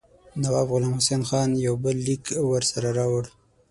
نواب غلام حسین خان یو بل لیک ورسره راوړ.